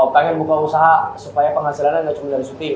pengen buka usaha supaya penghasilannya enggak cuma dari syuting